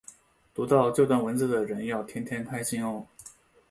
读到这段文字的人要天天开心哦